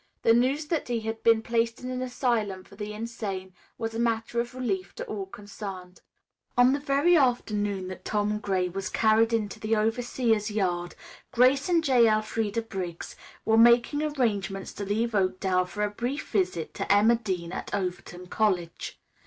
The news that he had been placed in an asylum for the insane was a matter of relief to all concerned. On the very afternoon that Tom Gray was carried into the overseer's yard Grace Harlowe and J. Elfreda Briggs were making arrangements to leave Oakdale for a brief visit to Emma Dean at Overton College.